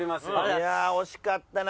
いや惜しかったな。